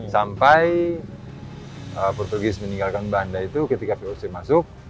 sampai portugis meninggalkan belanda itu ketika voc masuk